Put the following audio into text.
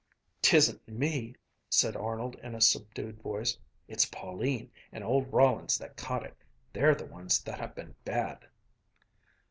"'Tisn't me," said Arnold in a subdued voice. "It's Pauline and old Rollins that caught it. They're the ones that ha' been bad."